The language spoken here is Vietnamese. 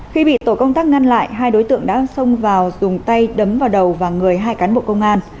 khi bị tổ công tác ngăn lại hai đối tượng đã xông vào dùng tay đấm vào đầu và người hai cán bộ công an